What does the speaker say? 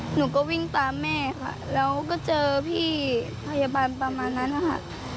หนูก็วิ่งตามแม่ค่ะแล้วก็เจอพี่พยาบาลประมาณนั้นนะคะ